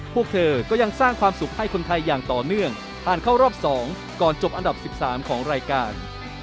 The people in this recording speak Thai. พวกเธอก็ยังสร้างความสุขให้คนไทยอย่างต่อเนื่องผ่านเข้ารอบ๒ก่อนจบอันดับ๑๓ของรายการ